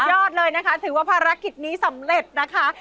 ยอดเลยนะคะถือว่าภารกิจนี้สำเร็จนะคะ